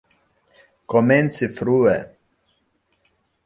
Komenci frue!